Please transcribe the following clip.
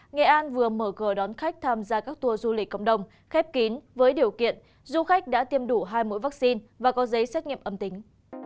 nghệ an vừa mở cửa đón khách tham gia các tour du lịch cộng đồng khép kín với điều kiện du khách đã tiêm đủ hai mũi vaccine và có giấy xét nghiệm âm tính